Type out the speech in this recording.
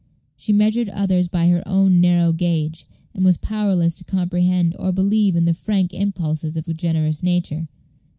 She measured others by her own narrow gauge, and was powerless to comprehend or believe in the frank impulses of a generous nature.